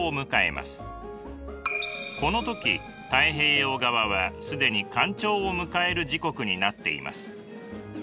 この時太平洋側は既に干潮を迎える時刻になっています。